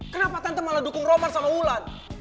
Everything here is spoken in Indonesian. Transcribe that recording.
kenapa tante malah dukung roman sama ulan